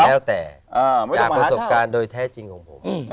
แล้วแต่จากประสบการณ์โดยแท้จริงของผม